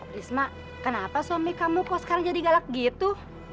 risma kenapa suami kamu kok sekarang jadi galak gitu